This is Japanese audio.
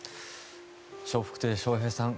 笑福亭笑瓶さん